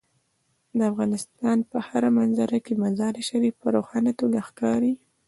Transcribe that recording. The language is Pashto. د افغانستان په هره منظره کې مزارشریف په روښانه توګه ښکاري.